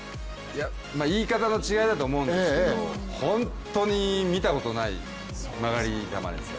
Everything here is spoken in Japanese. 言い方の違いだと思うんですけれども本当に見たことのない曲がり球です。